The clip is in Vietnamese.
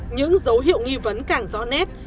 những dấu hiệu nghi vấn càng rõ nét